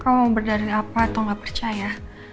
kamu mau berdari apa atau gak percaya